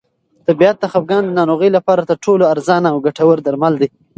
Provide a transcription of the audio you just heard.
طبیعت د خپګان د ناروغۍ لپاره تر ټولو ارزانه او ګټور درمل دی.